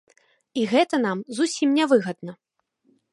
І гэта нам зусім нявыгадна.